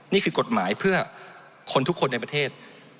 นี่คือกฎหมายเพื่อคนทุกคนในประเทศ